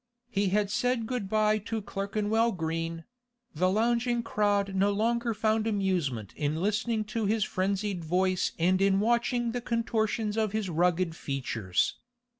He had said good bye to Clerkenwell Green; the lounging crowd no longer found amusement in listening to his frenzied voice and in watching the contortions of his rugged features.